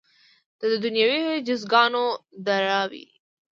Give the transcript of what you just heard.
د دنیوي جزاګانو ډاروي.